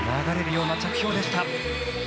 流れるような着氷でした。